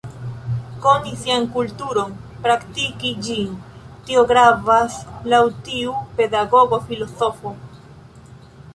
Koni sian kulturon, praktiki ĝin, tio gravas laŭ tiu pedagogo filozofo.